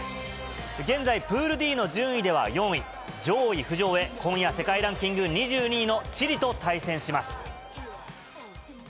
現在、プールＤの順位では４位、上位浮上へ、今夜世界ランキング２２位のチリと対戦します。